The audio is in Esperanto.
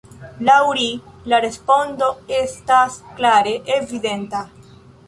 Laŭ ri, la respondo estas klare evidenta!